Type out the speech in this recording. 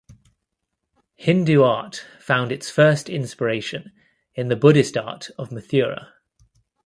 Hindu art found its first inspiration in the Buddhist art of Mathura.